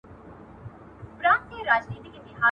په لویه جرګه کي د راستنو سوو کډوالو استازي څوک دي؟